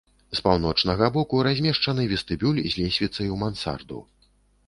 З паўночнага боку размешчаны вестыбюль з лесвіцай у мансарду.